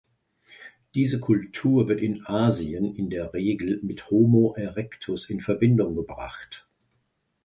Diese Kultur wird in Asien in der Regel mit "Homo erectus" in Verbindung gebracht.